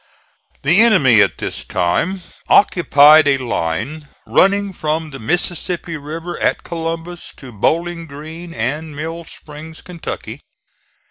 The enemy at this time occupied a line running from the Mississippi River at Columbus to Bowling Green and Mill Springs, Kentucky.